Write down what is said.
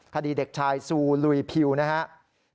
คดีเด็กชายซูลุยพิวนะครับ